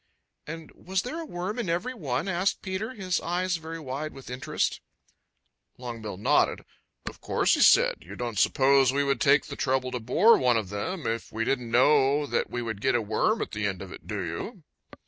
"And was there a worm in every one?" asked Peter, his eyes very wide with interest. Longbill nodded. "Of course," said he. "You don't suppose we would take the trouble to bore one of them if we didn't know that we would get a worm at the end of it, do you?"